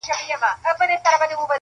پر ښار ختلې د بلا ساه ده!.